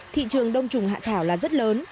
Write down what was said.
thị trường đông trùng hạ thảo là rất lớn